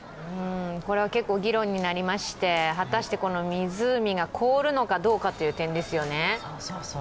これは結構議論になりまして、果たして湖が凍るのかどうかという点ですよね